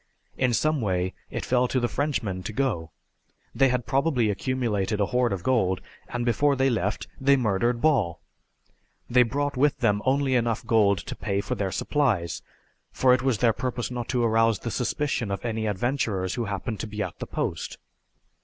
In some way it fell to the Frenchmen to go. They had probably accumulated a hoard of gold, and before they left they murdered Ball. They brought with them only enough gold to pay for their supplies, for it was their purpose not to arouse the suspicion of any adventurers who happened to be at the Post.